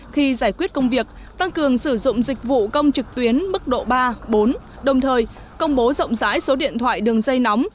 khi giải quyết công việc tăng cường sử dụng dịch vụ công trực tuyến mức độ ba bốn đồng thời công bố rộng rãi số điện thoại đường dây nóng